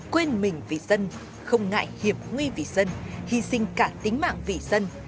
quên mình vì dân không ngại hiểm nguy vì dân hy sinh cả tính mạng vì dân